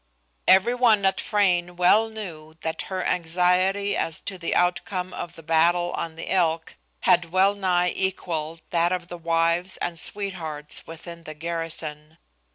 Everyone at Frayne well knew that her anxiety as to the outcome of the battle on the Elk had well nigh equalled that of the wives and sweethearts within the garrison.